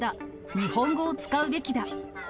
日本語を使うべきだ。